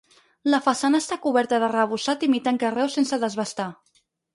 La façana està coberta d'arrebossat imitant carreus sense desbastar.